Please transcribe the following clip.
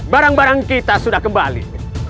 barang barang kita sudah kembali